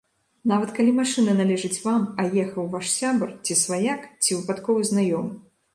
Нават калі машына належыць вам, а ехаў ваш сябар, ці сваяк, ці выпадковы знаёмы.